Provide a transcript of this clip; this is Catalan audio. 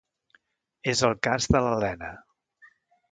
És el cas de l'Elena.